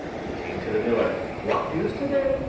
He came to the miller. "What news to day?"